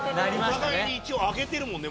お互いに一応揚げてるもんね。